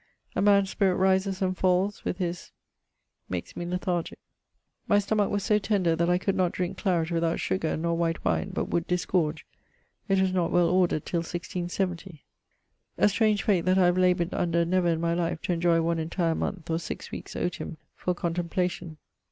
A man's spirit rises and falls with his ⦻: makes me lethargique. stomach so tender that I could not drinke claret without sugar, nor white wine, but would disgorge. not well ordered till 1670. ☞ A strange fate that I have laboured under never in my life to enjoy one entire monethe[VII.] or 6 weekes otium for contemplation.